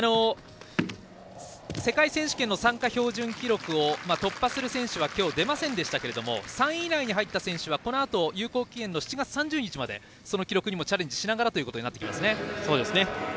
世界選手権の参加標準記録を突破する選手は今日、出ませんでしたが３位以内に入った選手はこのあと有効期限の７月３０日まで、その記録にもチャレンジしながらになってきます。